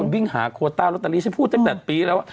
ทุกคนวิ่งหาโครตารอตเตอรี่ฉันพูดจ้างแต่ปีแล้ว